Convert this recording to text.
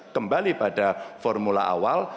kembali pada formula awal